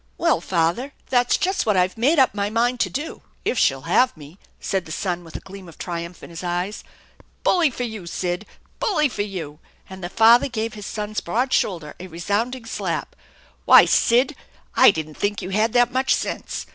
"Well, father, that's just what I've made up my mind THE ENCHANTED BARN 207 to do if shell have me/' said the son with a gleam of triumph in his eyes. " Bully for you, Sid ! Bully for you !" and the father gave his son's broad shoulder a resounding slap. " Why, Sid, I didn't think you had that much sense.